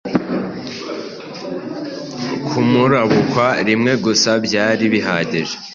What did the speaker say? kumurabukwa rimwe gusa byari bihagije